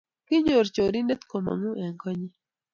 Kinyor chorindet komongu eng konyi